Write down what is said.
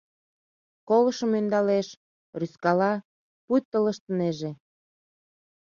Колышым ӧндалеш, рӱзкала, пуйто ылыжтынеже.